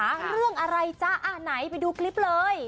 เรื่องอะไรจ๊ะอ่ะไหนไปดูคลิปเลย